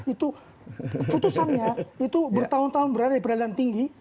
itu putusannya itu bertahun tahun berada di peradilan tinggi